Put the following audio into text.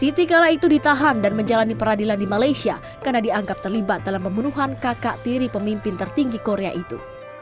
siti kala itu ditahan dan menjalani peradilan di malaysia karena dianggap terlibat dalam pembunuhan kakak tiri pemimpin tertinggi korea itu